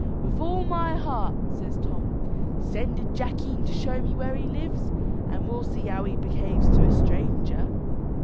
"With all my heart," says Tom; "send a jackeen to show me where he lives, and we'll see how he behaves to a stranger."